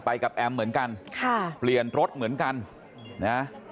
กับแอมเหมือนกันค่ะเปลี่ยนรถเหมือนกันนะ